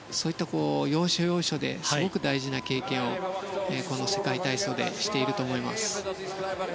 要所要所ですごく大事な経験をこの世界体操でしていると思います。